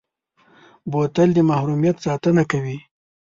بوتل د محرمیت ساتنه کوي.